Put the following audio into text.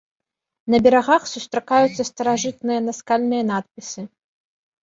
На берагах сустракаюцца старажытныя наскальныя надпісы.